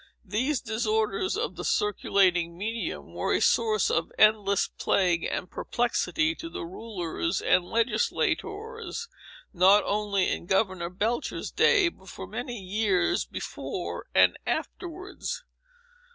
These disorders of the circulating medium were a source of endless plague and perplexity to the rulers and legislators, not only in Governor Belcher's days, but for many years before and afterwards.